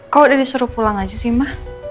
kau udah disuruh pulang aja sih ma